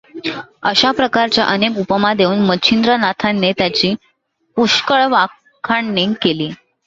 अशा प्रकारच्या अनेक उपमा देऊन मच्छिंद्रनाथानेेंे त्याची पुष्कळ वाखाणणी केली.